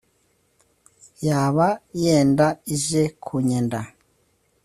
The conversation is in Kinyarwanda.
Yaba yenda ije kunyenda